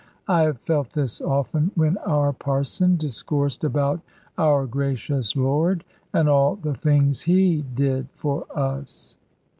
I have felt this often, when our Parson discoursed about our gracious Lord, and all the things He did for us.